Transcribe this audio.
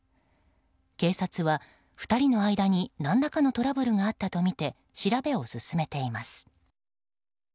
警察は２人の間に何らかのトラブルがあったとみて調べを進めています。